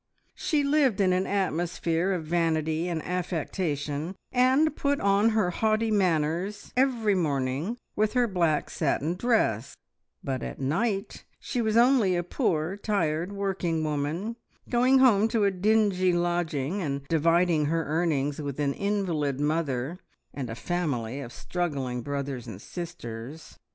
She lived in an atmosphere of vanity and affectation, and put on her haughty manners every morning with her black satin dress; but at night she was only a poor, tired, working woman, going home to a dingy lodging, and dividing her earnings with an invalid mother and a family of struggling brothers and sisters.